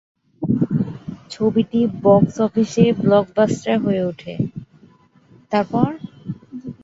ছবিটি বক্স অফিসে ব্লকবাস্টার হয়ে ওঠে।